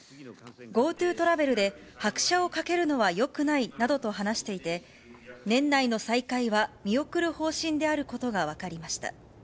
ＧｏＴｏトラベルで拍車をかけるのはよくないなどと話していて、年内の再開は見送る方針であることが分かりました。